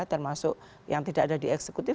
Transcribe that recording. termasuk yang tidak ada di eksekutif